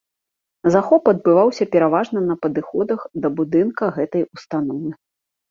Захоп адбываўся пераважна на падыходах да будынка гэтай установы.